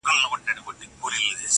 او درد د تجربې برخه ده,